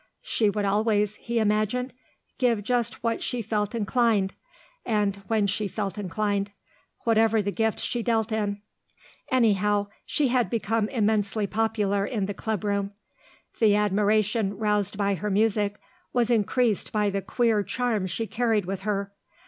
She would always, he imagined, give just what she felt inclined, and when she felt inclined, whatever the gifts she dealt in. Anyhow she had become immensely popular in the club room. The admiration roused by her music was increased by the queer charm she carried with her.